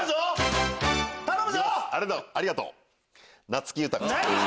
ありがとう！